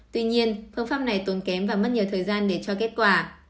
tuy nhiên phương pháp này tốn kém và mất nhiều thời gian để cho kết quả